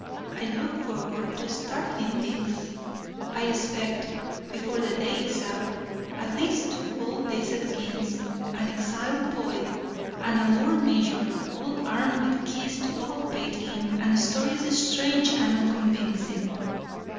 I look forward to startling things. I expect, before the day is out, at least two gold laced kings, an exiled poet, and a lord mayor, all armed with keys to Baldpate Inn and stories strange and unconvincing."